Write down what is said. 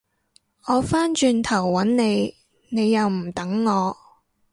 我返轉頭搵你，你又唔等我